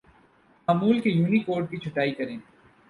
معمول کے یونیکوڈ کی چھٹائی کریں